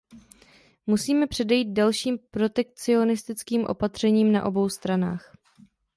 Musíme předejít dalším protekcionistickým opatřením na obou stranách.